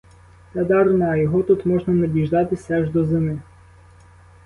Та дарма, його тут можна не діждатися аж до зими.